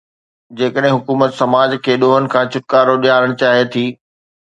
جيڪڏهن حڪومت سماج کي ڏوهن کان ڇوٽڪارو ڏيارڻ چاهي ٿي.